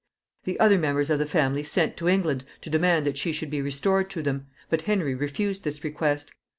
The other members of the family sent to England to demand that she should be restored to them, but Henry refused this request.